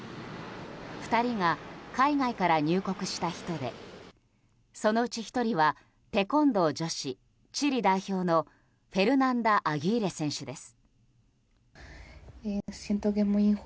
２人が海外から入国した人でそのうち１人はテコンドー女子チリ代表のフェルナンダ・アギーレ選手です。